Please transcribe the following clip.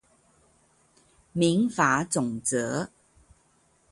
民法總則